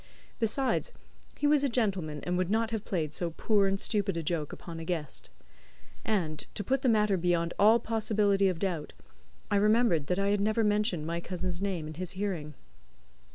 Besides, he was a gentleman, and would not have played so poor and stupid a joke upon a guest. And, to put the matter beyond all possibility of doubt, I remembered that I had never mentioned my cousin's name in his hearing.